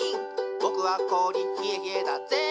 ぼくはこおりひえひえだっぜ」